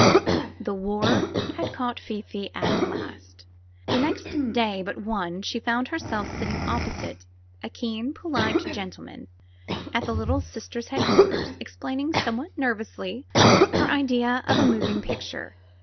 The war had caught Fifi at last. The next day but one she found herself sitting opposite a keen, polite gentle man at the Little Sisters' headquarters, explaining some what nervously her idea of a moving picture.